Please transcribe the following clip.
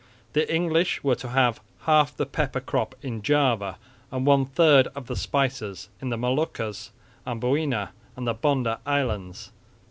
The English were to have half the pepper crop in Java and one third of the spices in the Moluccas, Amboina and the Banda islands.